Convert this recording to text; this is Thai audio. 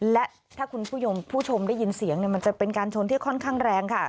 และถ้าคุณผู้ชมผู้ชมได้ยินเสียงมันจะเป็นการชนที่ค่อนข้างแรงค่ะ